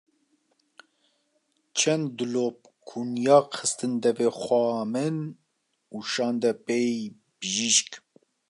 Çend dilop kunyak xistin devê xweha min û şande pey bijîşk.